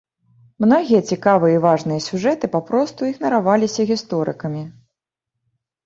Многія цікавыя і важныя сюжэты папросту ігнараваліся гісторыкамі.